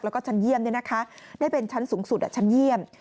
แล้วก็ชั้นเยี่ยมได้เป็นชั้นสูงสุดชั้นเยี่ยม